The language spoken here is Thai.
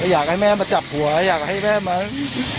อยากให้แม่มาจับหัวอยากให้แม่มา